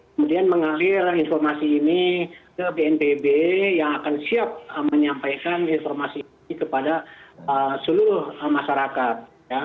kemudian mengalir informasi ini ke bnpb yang akan siap menyampaikan informasi ini kepada seluruh masyarakat